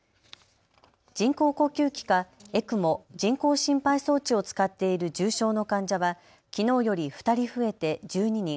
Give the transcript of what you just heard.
人工呼吸器かＥＣＭＯ・人工心肺装置を使っている重症の患者はきのうより２人増えて１２人。